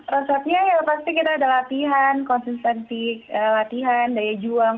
resepnya ya pasti kita ada latihan konsistensi latihan daya juang